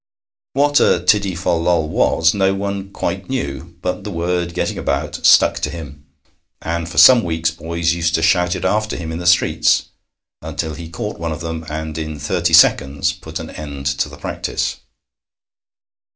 What a tiddy fol lol was no one quite knew; but the word, getting about, stuck to him, and for some weeks boys used to shout it after him in the streets, until he caught one of them, and in thirty seconds put an end to the practice.